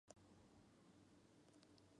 Actualmente vive en Ufa, Rusia.